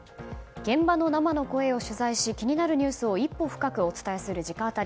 現場の生の声を取材し気になるニュースを一歩深くお伝えする直アタリ。